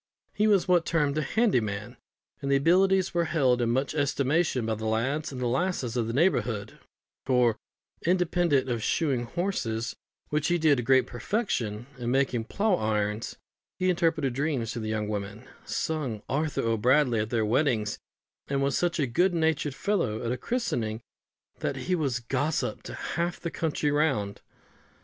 He was what is termed a handy man, and his abilities were held in much estimation by the lads and the lasses of the neighbourhood; for, independent of shoeing horses, which he did to great perfection, and making plough irons, he interpreted dreams for the young women, sung "Arthur O'Bradley" at their weddings, and was so good natured a fellow at a christening, that he was gossip to half the country round.